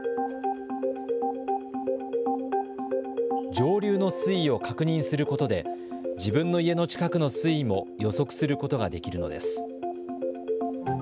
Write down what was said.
上流の水位を確認することで自分の家の近くの水位も予測することができるのです。